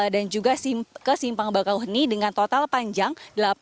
dan juga kesimpang bakauheni dengan total panjang